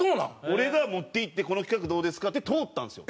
俺が持っていって「この企画どうですか？」って通ったんですよ。